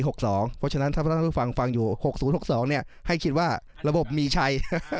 เพราะฉะนั้นถ้าพระท่านผู้ฟังฟังอยู่๖๐๖๒ให้คิดว่าระบบมีชัย